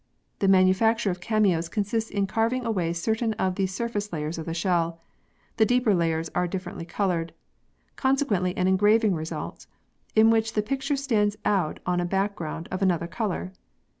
The manufacture of cameos consists in carving away certain of the sur face layers of the shell. The deeper layers are differently coloured. Consequently an engraving results, in which the picture stands out on a back ground of another colour.